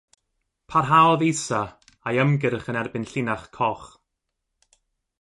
Parhaodd Isa â'i ymgyrch yn erbyn llinach Koch.